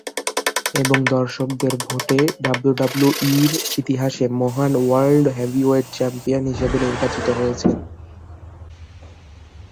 এবং দর্শকদের ভোট এ ডাব্লিউডাব্লিউইর ইতিহাসে মহান ওয়ার্ল্ড হেভিওয়েট চ্যাম্পিয়ন হিসেবে নির্বাচিত হয়েছেন।